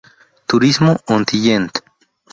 Turismo Ontinyent